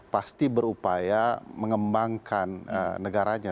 pasti berupaya mengembangkan negaranya